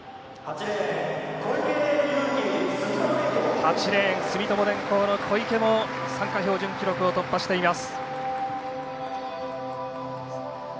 ８レーン、小池も参加標準記録を突破しています。